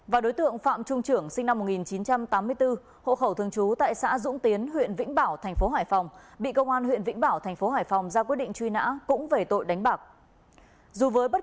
và đối tượng phạm trung trưởng sinh năm một nghìn chín trăm tám mươi bốn hộ khẩu thường trú tại xã dũng tiến huyện vĩnh bảo thành phố hải phòng bị công an huyện vĩnh bảo thành phố hải phòng ra quyết định truy nã cũng về tội đánh bạc